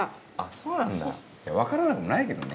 そうなんだ分からなくもないけどね。